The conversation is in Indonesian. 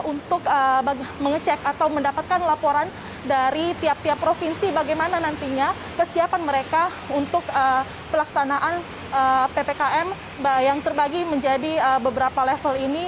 untuk mengecek atau mendapatkan laporan dari tiap tiap provinsi bagaimana nantinya kesiapan mereka untuk pelaksanaan ppkm yang terbagi menjadi beberapa level ini